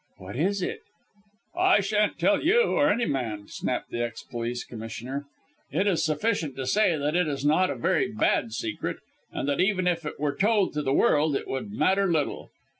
"What is it?" "I shan't tell you or any man," snapped the ex police commissioner. "It is sufficient to say that it is not a very bad secret, and that even if it were told to the world it would matter little.